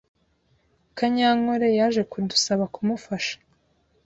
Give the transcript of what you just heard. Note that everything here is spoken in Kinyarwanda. Kanyankore yaje kudusaba kumufasha.